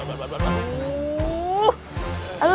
aduh aduh aduh aduh